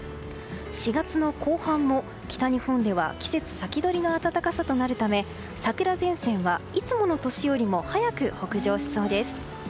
４月の後半も北日本では季節先取りの暖かさとなるため桜前線はいつもの年よりも早く北上しそうです。